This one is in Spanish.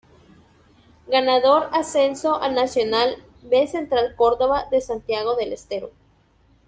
Ganador ascenso al Nacional B Central Córdoba de Santiago del Estero